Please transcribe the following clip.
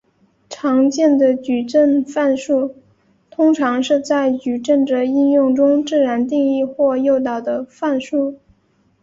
常见的矩阵范数通常是在矩阵的应用中自然定义或诱导的范数。